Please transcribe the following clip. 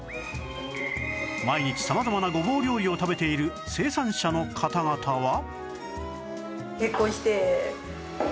毎日様々なごぼう料理を食べている生産者の方々は